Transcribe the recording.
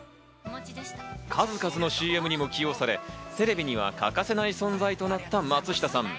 数々のＣＭにも起用され、テレビには欠かせない存在となった松下さん。